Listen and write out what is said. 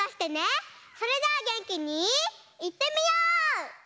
それじゃあげんきにいってみよう！